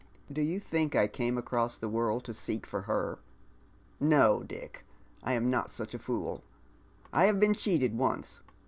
Do 3^ou tliink I came across the world to seek for her? No, Dick, I am not such a fool. I have been cheated once.